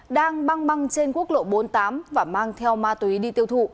đang băng băng trên quốc lộ bốn mươi tám và mang theo ma túy đi tiêu thụ